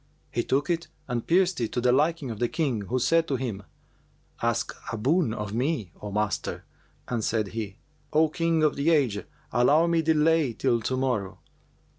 He took it and pierced it to the liking of the King who said to him, 'Ask a boon of me, O master'; and said he, 'O King of the age, allow me delay till to morrow.'